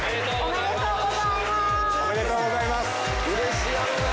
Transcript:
おめでとうございます。